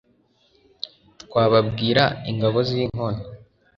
twababwira, ingabo zinkona